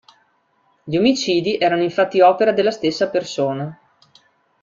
Gli omicidi erano infatti opera della stessa persona.